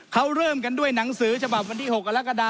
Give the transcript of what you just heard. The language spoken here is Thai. เขาเริ่มกันด้วยหนังสือฉบ๖อกด